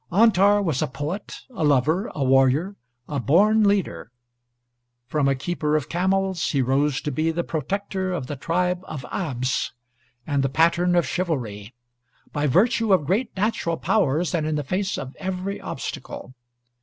Antar was a poet, a lover, a warrior, a born leader. From a keeper of camels he rose to be the protector of the tribe of Abs and the pattern of chivalry, by virtue of great natural powers and in the face of every obstacle.